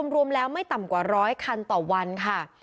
รวมแล้วไม่ต่ำกว่า๑๐๐คันต่อวันค่ะ